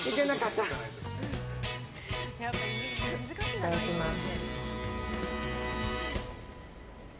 いただきます。